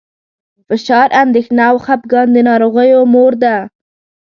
فشار، اندېښنه او خپګان د ناروغیو مور ده.